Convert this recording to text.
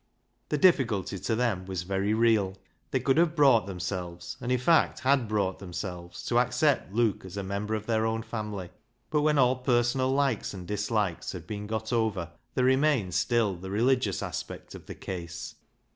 The difficulty to them was very real. They could have brought themselves, and in fact had brought themselves, to accept Luke as a member of their own family, but when all personal likes and dislikes had been <jot over there remained 84 BECKSIDE LIGHTS still the religious aspect of the case.